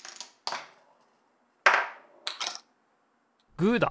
グーだ。